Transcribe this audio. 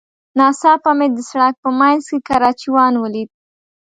ناڅاپه مې د سړک په منځ کې کراچيوان وليد.